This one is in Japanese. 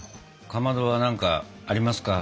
かまどは何かありますか？